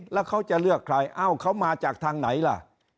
แล้วเขาจะเลือกใครเอ้าเขามาจากทางไหนล่ะ